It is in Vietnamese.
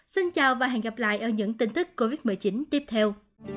xin chào và hẹn gặp lại ở những tin tức covid một mươi chín tiếp theo